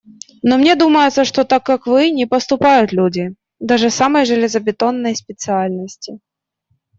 Но мне думается, что так, как вы, не поступают люди… даже самой железобетонной специальности.